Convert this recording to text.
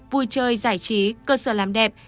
vui chơi giải trí cơ sở làm đẹp